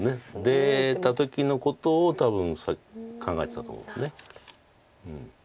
出た時のことを多分さっき考えてたと思うんです。